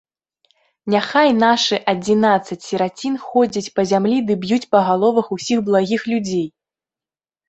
Няхай нашы адзінаццаць сірацін ходзяць па зямлі ды б'юць па галовах усіх благіх людзей!